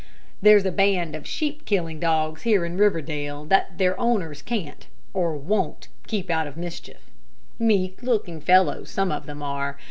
There's a band of sheep killing dogs here in Riverdale, that their owners can't, or won't, keep out of mischief. Meek looking fellows some of them are.